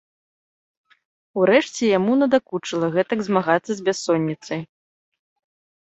Урэшце яму надакучыла гэтак змагацца з бяссонніцай.